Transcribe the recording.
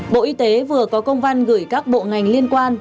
bộ y tế vừa có công văn gửi các bộ ngành liên quan